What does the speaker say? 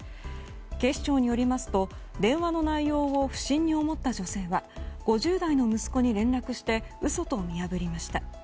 警視庁によりますと電話の内容を不審に思った女性は５０代の息子に連絡して嘘と見破りました。